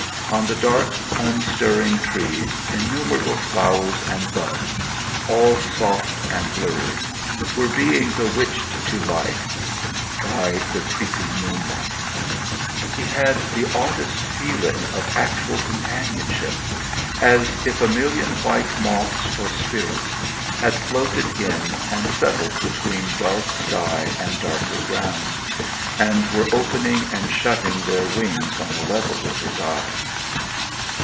On the dark unstirring trees innumerable flowers and buds all soft and blurred were being bewitched to life by the creeping moonlight. He had the oddest feeling of actual companionship, as if a million white moths or spirits had floated in and settled between dark sky and darker ground, and were opening and shutting their wings on a level with his eyes.